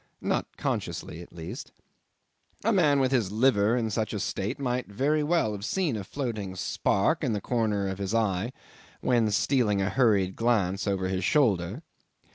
Not consciously, at least. A man with his liver in such a state might very well have seen a floating spark in the corner of his eye when stealing a hurried glance over his shoulder.